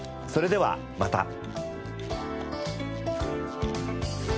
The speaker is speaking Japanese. それではまた。